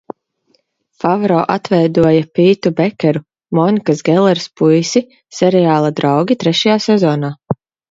"Favro atveidoja Pītu Bekeru, Monikas Gelleres puisi, seriāla "Draugi" trešajā sezonā."